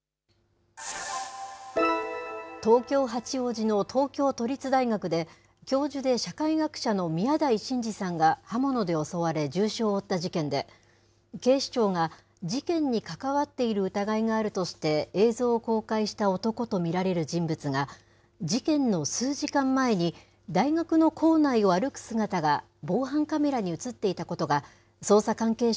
東京・八王子の東京都立大学で、教授で社会学者の宮台真司さんが、刃物で襲われ重傷を負った事件で、警視庁が事件に関わっている疑いがあるとして、映像を公開した男と見られる人物が、事件の数時間前に、大学の構内を歩く姿が防犯カメラに写っていたことが、捜査関係者